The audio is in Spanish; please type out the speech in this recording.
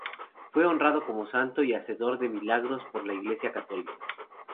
Fue honrado como santo y hacedor de milagros por la Iglesia católica.